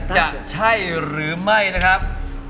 จะใช่หรือไม่นะครับ